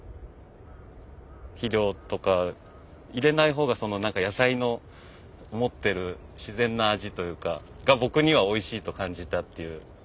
肥料とか入れないほうが野菜の持ってる自然な味というかが僕にはおいしいと感じたっていう。